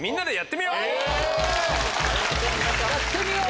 やってみよう！